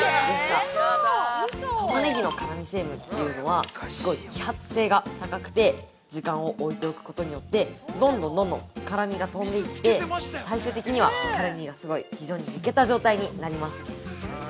タマネギの辛み成分というのは、すごい揮発性が高くて時間を置いておくことによって、どんどん、どんどん辛みが飛んでいって最終的には辛みがすごい抜けた状態になります。